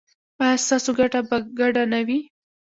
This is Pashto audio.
ایا ستاسو ګټه به ګډه نه وي؟